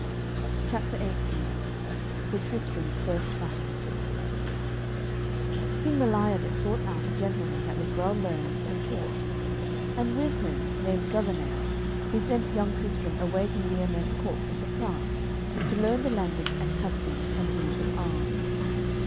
CHAPTER XVIII SIR TRISTRAM'S FIRST BATTLE King Melodias sought out a gentleman that was well learned, and taught, and with him, named Gouvernail, he sent young Tristram away from Lyonesse court into France, to learn the language and customs and deeds of arms.